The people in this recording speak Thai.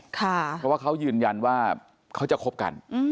เพราะว่าเขายืนยันว่าเขาจะคบกัน